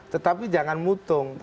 tetapi jangan mutung